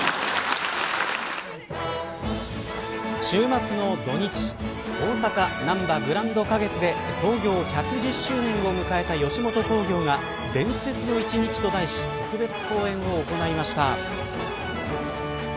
週末の土日大阪なんばグランド花月で創業１１０周年を迎えた吉本興業が伝説の一日と題し特別公演を行いました。